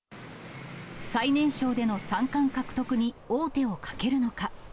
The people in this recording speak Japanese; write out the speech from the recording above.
最年少での三冠獲得に王手をかけるのか。